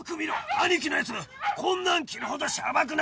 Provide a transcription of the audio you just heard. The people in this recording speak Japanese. アニキのやつこんなん着るほどシャバくなってっぞ！